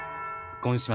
こんにちは。